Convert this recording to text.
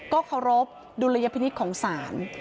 ก็เคารพดุลยพินิษฐ์ของศาล